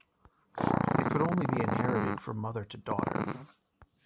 It could only be inherited from mother to daughter.